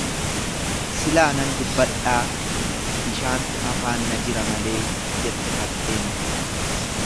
"""Silaa nan dubbadhaa, bishaantu afaan na jira malee"" jette fatteen."